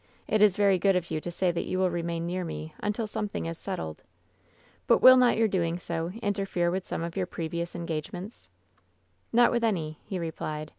It is very good of you to say that you will remain near me until something is settled. But will not your doing so inter fere with some of your previous engagements V " 'Not with any,' he replied.